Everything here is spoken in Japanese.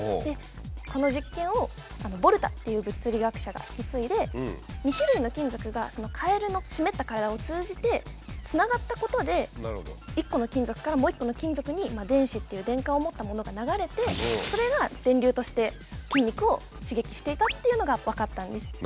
この実験をボルタっていう物理学者が引き継いで２種類の金属がカエルの湿った体を通じてつながったことで１個の金属からもう１個の金属に電子っていう電荷を持ったものが流れてそれが電流として筋肉を刺激していたというのが分かったんです。